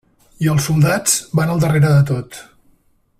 I els soldats van al darrere de tot.